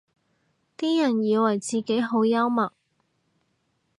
啲人以為自己好幽默